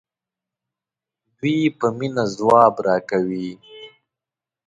دوی په مینه ځواب راکوي.